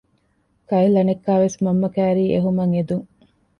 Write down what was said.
ކައިލް އަނެއްކާވެސް މަންމަ ކައިރީ އެހުމަށް އެދުން